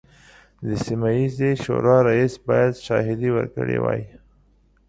د سیمه ییزې شورا رئیس باید شاهدې ورکړي وای.